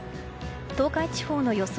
東海地方の予想